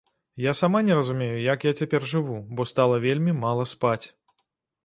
Я сама не разумею, як я цяпер жыву, бо стала вельмі мала спаць.